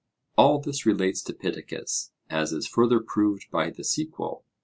All this relates to Pittacus, as is further proved by the sequel.